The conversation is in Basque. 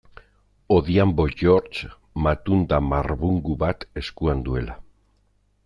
Odhiambo George, matunda marbungu bat eskuan duela.